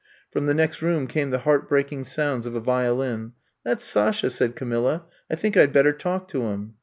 '' From the next room came the heart breaking sounds of a violin. That 's Sasha," said Camilla. I think I 'd bet ter talk to him.